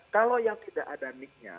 kalau yang tidak ada niknya